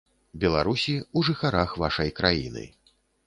Беларусі, у жыхарах вашай краіны.